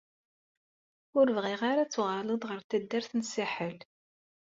Ur bɣiɣ ara ad tuɣaleḍ ar taddart n Saḥel.